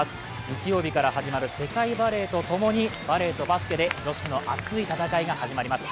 日曜日から始まる世界バレーとともにバレーとバスケで女子の熱い戦いが始まります。